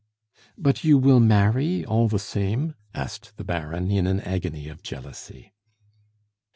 "But you will marry, all the same?" asked the Baron, in an agony of jealousy.